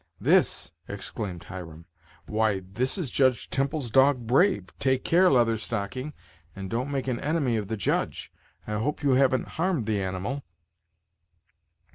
"This!" exclaimed Hiram; "why, this is Judge Temple's dog Brave. Take care, Leather Stocking, and don't make an enemy of the Judge. I hope you haven't harmed the animal?"